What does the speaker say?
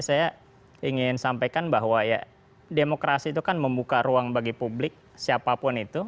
saya ingin sampaikan bahwa ya demokrasi itu kan membuka ruang bagi publik siapapun itu